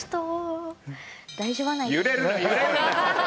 揺れるな揺れるな！